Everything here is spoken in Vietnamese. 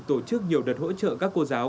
tổ chức nhiều đợt hỗ trợ các cô giáo